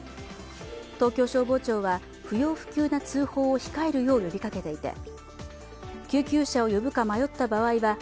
東京消防庁は不要不急な通報を控えるよう呼びかけていて、救急車を呼ぶか迷った場合は＃